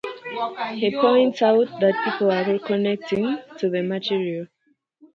He points out that people are reconnecting to the material.